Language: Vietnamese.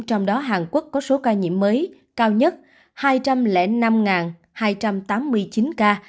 trong đó hàn quốc có số ca nhiễm mới cao nhất hai trăm linh năm hai trăm tám mươi chín ca